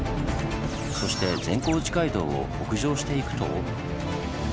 そして善光寺街道を北上していくと。